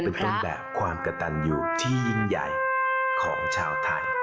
เป็นต้นแบบความกระตันอยู่ที่ยิ่งใหญ่ของชาวไทย